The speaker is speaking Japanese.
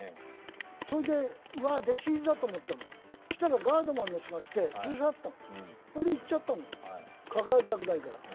それで弟子入りだと思ったの、そうしたらガードマンが来て連れ去ったの、それで行っちゃったの関わりたくないから。